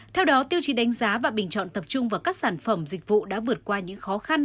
theo đó tiêu chí đánh giá và bình chọn tập trung vào các sản phẩm dịch vụ đã vượt qua những khó khăn